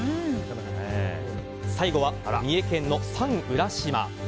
最後は三重県のサン浦島。